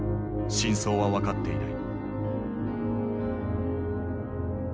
真相は分かっていない。